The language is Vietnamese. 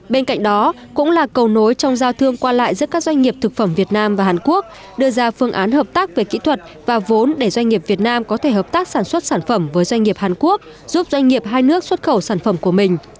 bên cạnh đó cũng là cầu nối trong giao thương qua lại giữa các doanh nghiệp thực phẩm việt nam và hàn quốc đưa ra phương án hợp tác về kỹ thuật và vốn để doanh nghiệp việt nam có thể hợp tác sản xuất sản phẩm với doanh nghiệp hàn quốc giúp doanh nghiệp hai nước xuất khẩu sản phẩm của mình